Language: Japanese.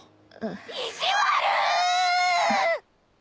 意地悪！！